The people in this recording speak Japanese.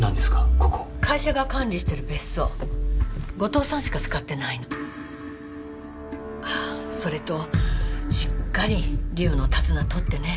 ここ会社が管理してる別荘後藤さんしか使ってないのああそれとしっかり梨央の手綱取ってね